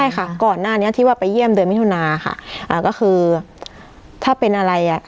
ใช่ค่ะก่อนหน้านี้ที่ว่าไปเยี่ยมเดือนมิถุนาค่ะอ่าก็คือถ้าเป็นอะไรอ่ะ